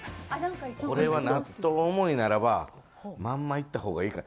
これは納豆おもいならまんまいったほうがいい。